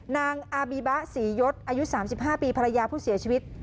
นางอาบีบะศรียศอายุ๓๕ปีภรรยาผู้เสียชีวิต